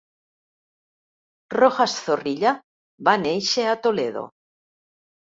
Rojas Zorrilla va néixer a Toledo.